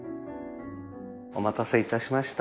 お待たせいたしました。